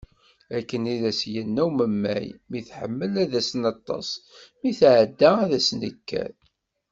Akken i d as-yenna umemmay, mi d-teḥmel ad as-neṭṭes, mi tɛedda ad as-nekker.